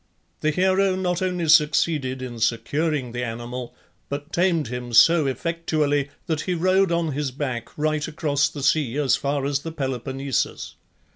The hero not only succeeded in securing the animal, but tamed him so effectually that he rode on his back right across the sea as far as the Peloponnesus.